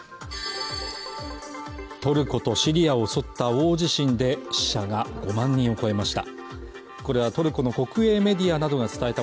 トルコとシリアを襲った大地震で死者が５万人を超えました。